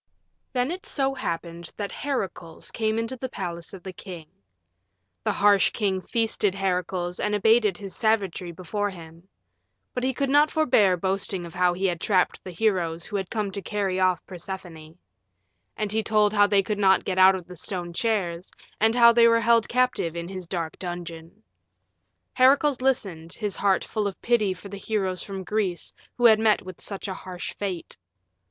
Then it so happened that Heracles came into the palace of the king. The harsh king feasted Heracles and abated his savagery before him. But he could not forbear boasting of how he had trapped the heroes who had come to carry off Persephone. And he told how they could not get out of the stone chairs and how they were held captive in his dark dungeon. Heracles listened, his heart full of pity for the heroes from Greece who had met with such a harsh fate.